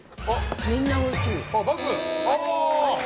みんなおいしい。